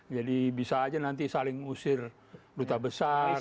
jadi bisa aja nanti saling mengusir duta besar